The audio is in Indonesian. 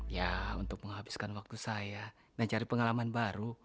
ya untuk menghabiskan waktu saya nah cari pengalaman baru